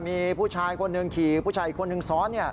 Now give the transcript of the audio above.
มีผู้ชายคนหนึ่งขี่ผู้ชายอีกคนนึงซ้อน